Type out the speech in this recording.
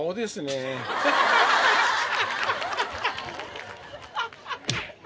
ハハハハ！